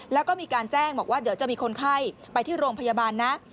แล้วก็มีการแจ้งบอกว่าเดี๋ยวจะมีคนไข้ไปที่โรงพยาบาลนะ